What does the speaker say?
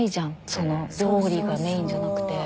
その料理がメインじゃなくて。